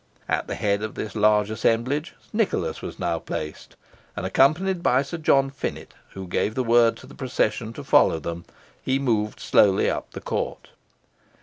At the head of this large assemblage Nicholas was now placed, and, accompanied by Sir John Finett, who gave the word to the procession to follow them, he moved slowly up the court.